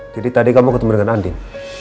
jadi tadi kamu ketemu dengan andin